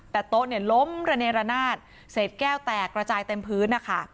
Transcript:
แต่โต๊ะล้มระเนรนาศเสร็จแก้วแตกกระจายเต็มพื้น